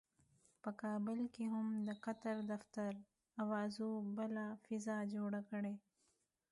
په کابل کې هم د قطر دفتر اوازو بله فضا جوړه کړې.